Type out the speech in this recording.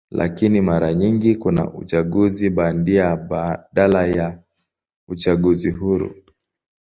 Lakini mara nyingi kuna uchaguzi bandia badala ya uchaguzi huru.